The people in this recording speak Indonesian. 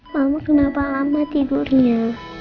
mama kenapa lama tidurnya